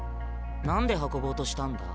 何で運ぼうとしたんだ？